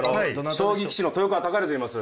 将棋棋士の豊川孝弘といいます。